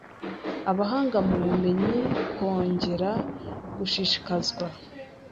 abahanga mu bumenyi kongera gushishikazwa